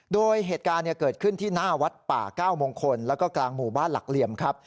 โดยเหตุการณ์เกิดขึ้นที่หน้าวัดป่าเก้ามงคลแล้วก็กลางหมู่บ้านหลักเหลี่ยมครับ